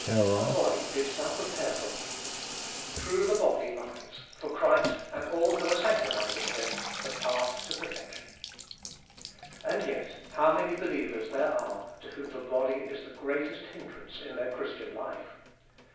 A body didst thou prepare for Me : through the body lies, for Christ and all who are sanctified in Him, the path to perfection. And yet how many believers there are to whom the body is the greatest hindrance in their Christian life.